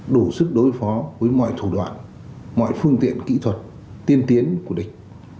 đủ sức đối phó với mọi thủ đoạn mọi phương tiện kỹ thuật tiên tiến của địch